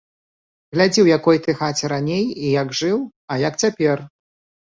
Глядзі, у якой ты хаце раней і як жыў, а як цяпер!